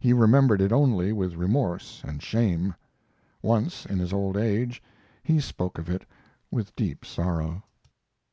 He remembered it only with remorse and shame. Once, in his old age, he spoke of it with deep sorrow.